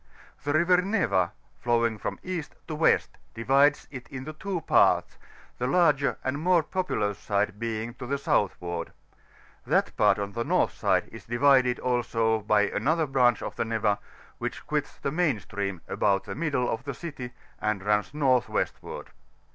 The River Neva, flowing from East to West, divides it into two parts, the lai|^ar and more populous side being to the southward; that part on the north side is divi&d also by anotner branch of the Neva, which quits the main stream about the middle of the citv, and runs north westward.